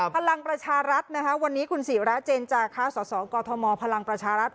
พลังประชารัฐวันนี้คุณศรีรัตน์เจนจากฮสกมพลังประชารัฐ